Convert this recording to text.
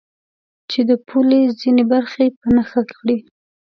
چې د پولې ځینې برخې په نښه کړي.